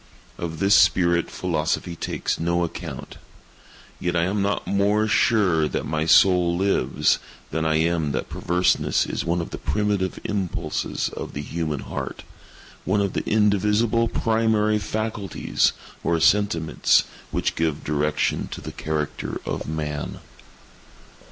Of this spirit philosophy takes no account. Yet I am not more sure that my soul lives, than I am that perverseness is one of the primitive impulses of the human heart—one of the indivisible primary faculties, or sentiments, which give direction to the character of Man.